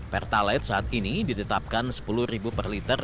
pertalite saat ini didetapkan rp sepuluh per liter